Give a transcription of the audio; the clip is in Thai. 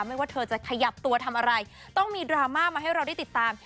ไม่ว่าเธอจะขยับตัวทำอะไรต้องมีดราม่ามาให้เราได้ติดตาม